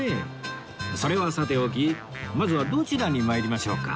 それはさておきまずはどちらに参りましょうか？